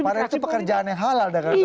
karena itu pekerjaan yang halal dagang sapi